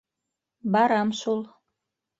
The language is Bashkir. - Барам шул.